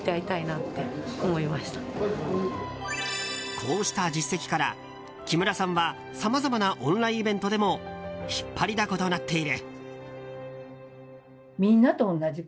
こうした実績から木村さんはさまざまなオンラインイベントでも引っ張りだことなっている。